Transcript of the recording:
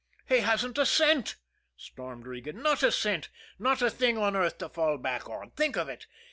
"He hasn't a cent!" stormed Regan. "Not a cent not a thing on earth to fall back on. Think of it!